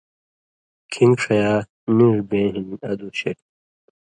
کھِنگ ݜَیا نِین٘ڙ بیں ہِن ادُوس شریۡ تھُو۔